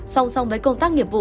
song song với công tác nghiệp vụ